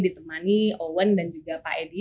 ditemani owen dan juga pak edi